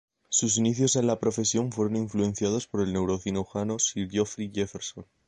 Sus inicios en la profesión fueron influenciados por el neurocirujano Sir Geoffrey Jefferson.